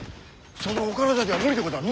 そのお体じゃ無理でござる。